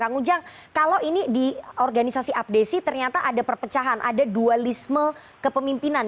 kang ujang kalau ini di organisasi abdesi ternyata ada perpecahan ada dualisme kepemimpinan